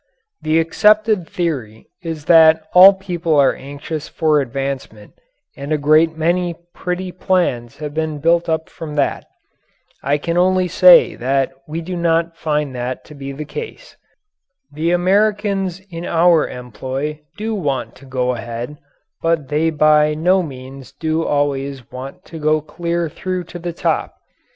The accepted theory is that all people are anxious for advancement, and a great many pretty plans have been built up from that. I can only say that we do not find that to be the case. The Americans in our employ do want to go ahead, but they by no means do always want to go clear through to the top.